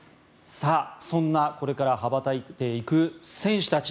そんなこれから羽ばたいていく選手たち。